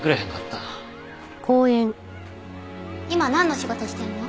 今なんの仕事してるの？